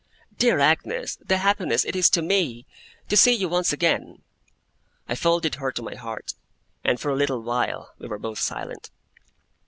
'Dear Agnes, the happiness it is to me, to see you once again!' I folded her to my heart, and, for a little while, we were both silent.